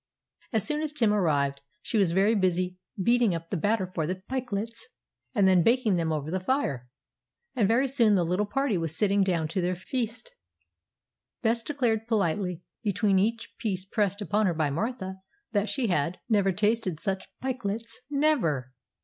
As soon as Tim arrived, she was very busy beating up the batter for the pikelets, and then baking them over the fire; and very soon the little party were sitting down to their feast Bess declaring politely, between each piece pressed upon her by Martha, that she had never tasted such pikelets, never!